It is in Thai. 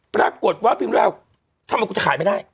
ปรากฏว่าพิมพิราวทำไมกูจะขายไม่ได้